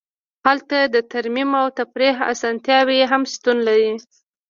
هلته د ترمیم او تفریح اسانتیاوې هم شتون لري